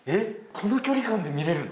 この距離感で見れるの？